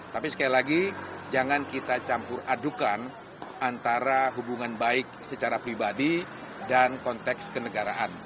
tapi sekali lagi jangan kita campur adukan antara hubungan baik secara pribadi dan konteks kenegaraan